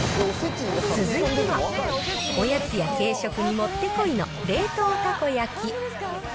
続いては、おやつや軽食にもってこいの冷凍たこ焼き。